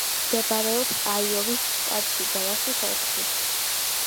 მდებარეობს აიოვის შტატში, დალასის ოლქში.